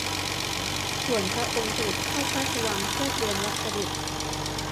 ส่วนพระองค์เสด็จเข้าพระราชวังเพื่อเตรียมรับเสด็จ